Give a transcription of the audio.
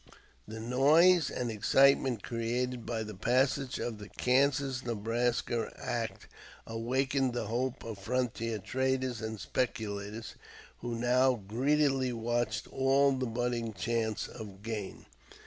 The noise and excitement created by the passage of the Kansas Nebraska Act awakened the hope of frontier traders and speculators, who now greedily watched all the budding chances of gain.